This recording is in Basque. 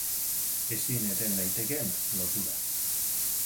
Ezin eten daitekeen lotura